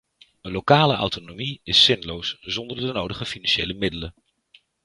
Lokale autonomie is zinloos zonder de nodige financiële middelen.